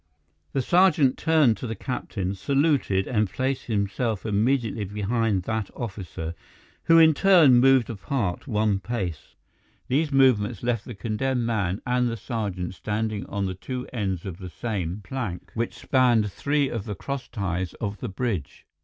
The sergeant turned to the captain, saluted and placed himself immediately behind that officer, who in turn moved apart one pace. These movements left the condemned man and the sergeant standing on the two ends of the same plank, which spanned three of the cross ties of the bridge.